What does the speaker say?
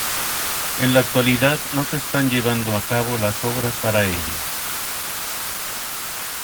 En la actualidad no se están llevando a cabo las obras para ello.